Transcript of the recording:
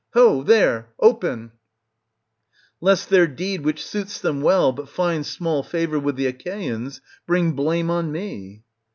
Ho, there ! open ! lest their deed, which suits them well but finds small favour with the Achaeans, bring blame on me.